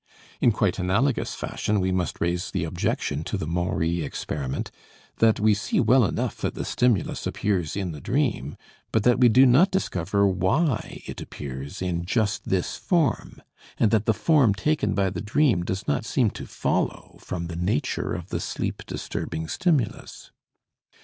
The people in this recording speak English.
In quite analogous fashion, we must raise the objection to the Maury experiment that we see well enough that the stimulus appears in the dream, but that we do not discover why it appears in just this form; and that the form taken by the dream does not seem to follow from the nature of the sleep disturbing stimulus.